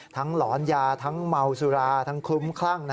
หลอนยาทั้งเมาสุราทั้งคลุ้มคลั่ง